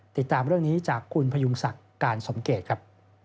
ติดตามเรื่องนี้จากคุณพยุงศักดิ์การสมเกตครับ